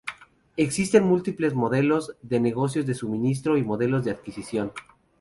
Existen múltiples modelos de negocio de suministro y modelos de adquisición.